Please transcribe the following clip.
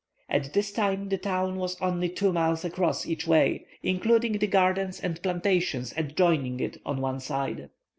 At this time the town was only two miles across each way, including the gardens and plantations adjoining it on one side.